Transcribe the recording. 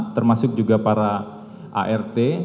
termasuk juga para art